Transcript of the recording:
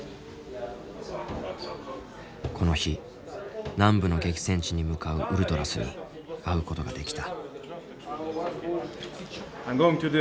この日南部の激戦地に向かうウルトラスに会うことができた。